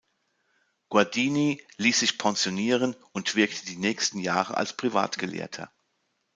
Guardini ließ sich pensionieren und wirkte die nächsten Jahre als Privatgelehrter.